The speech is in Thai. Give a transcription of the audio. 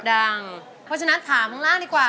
เพราะฉะนั้นถามข้างล่างดีกว่า